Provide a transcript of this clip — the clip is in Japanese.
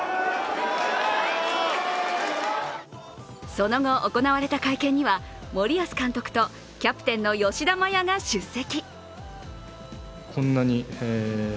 その後行われた会見には、森保監督とキャプテンの吉田麻也が出席。